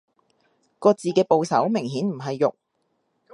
個字嘅部首明顯唔係肉